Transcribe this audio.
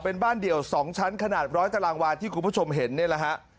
เป็นบ้านเดี่ยว๒ชั้นขนาดร้อยตารางวาที่คุณผู้ชมเห็นนี่แหละฮะ